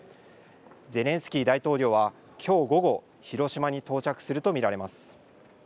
ゼレンスキー大統領はきょう午後、広島に到着すると見られます。